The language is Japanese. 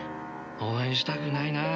応援したくないな。